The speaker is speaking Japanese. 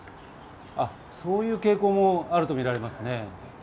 そういう傾向もあると見られますね。